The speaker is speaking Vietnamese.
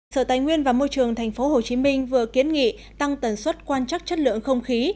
sở tài nguyên và môi trường tp hcm vừa kiến nghị tăng tần suất quan trắc chất lượng không khí